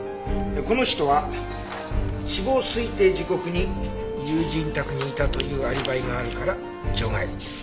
この人は死亡推定時刻に友人宅にいたというアリバイがあるから除外。